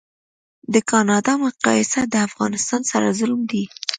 د کانادا مقایسه د افغانستان سره ظلم دی